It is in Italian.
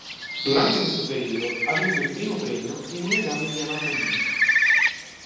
Durante questo periodo, ha vinto il primo premio in un esame di anatomia.